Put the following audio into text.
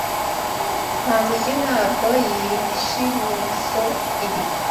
Kamugi ntabwo yishimizoe ibi.